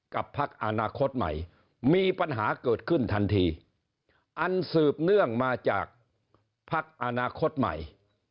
พักอนาคตใหม่มีปัญหาเกิดขึ้นทันทีอันสืบเนื่องมาจากภักดิ์อนาคตใหม่